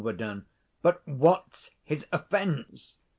_ But what's his offence?